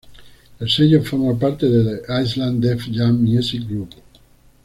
El sello forma parte de The Island Def Jam Music Group.